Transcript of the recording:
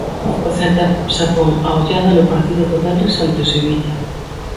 O Celta xa pon a ollada no partido do venres ante o Sevilla.